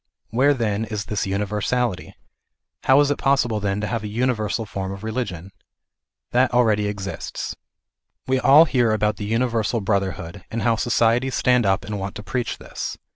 Where, then, is this univers . ality ? How is it possible then to have a universal form of religion ? That already exists. We all hear about universal brotherhood, and how 308 THE IDEAL OF A UNIVERSAL RELIGION. societies stand up and want to preach this.